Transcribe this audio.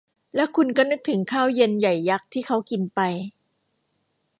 และคุณก็นึกถึงข้าวเย็นใหญ่ยักษ์ที่เค้ากินไป